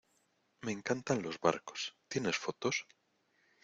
me encantan los barcos. ¿ tienes fotos?